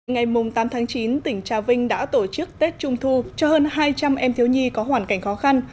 ngày tám tháng chín tỉnh trà vinh đã tổ chức tết trung thu cho hơn hai trăm linh em thiếu nhi có hoàn cảnh khó khăn